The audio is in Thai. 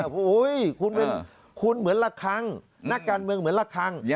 โห้ยคุณเหมือนละครังนักการค์เหมือนละครัง